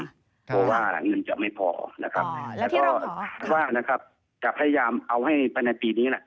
เพราะว่าเงินจะไม่พอแล้วก็ว่าจะพยายามเอาให้ไปในปีนี้